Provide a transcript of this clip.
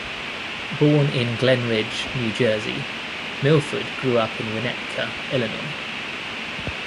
Born in Glen Ridge, New Jersey, Milford grew up in Winnetka, Illinois.